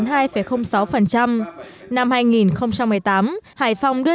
năm hai nghìn một mươi tám hải phòng đưa ra một truyền thông